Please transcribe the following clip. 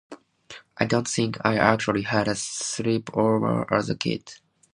I don't think I actually had a sleepover as a kid.